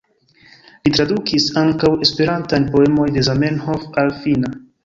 Li tradukis ankaŭ esperantan poemon de Zamenhof al finna.